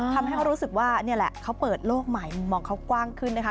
ทำให้เขารู้สึกว่านี่แหละเขาเปิดโลกใหม่มุมมองเขากว้างขึ้นนะคะ